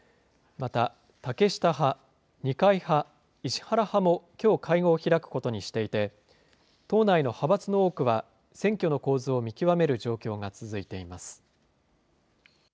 また、竹下派、二階派、石原派もきょう、会合を開くことにしていて、党内の派閥の多くは、選挙の構図を見極める状況が続いています。